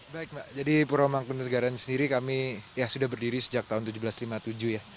baik mbak jadi pura mangkunagaran sendiri kami ya sudah berdiri sejak tahun seribu tujuh ratus lima puluh tujuh ya